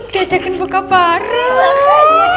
diajakin buka bareng